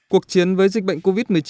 cuộc chiến với dịch bệnh covid một mươi chín